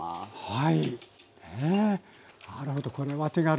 はい。